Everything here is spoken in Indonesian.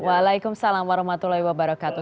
waalaikumsalam merahmatullah ibu barakatuh